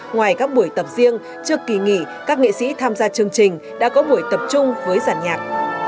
ngoài các buổi tập riêng trước kỳ nghỉ các nghệ sĩ tham gia chương trình đã có buổi tập trung với giản nhạc